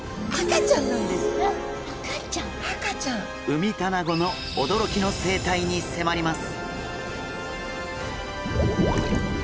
ウミタナゴの驚きの生態に迫ります！